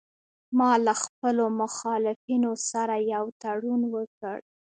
ما له خپلو مخالفینو سره یو تړون وکړ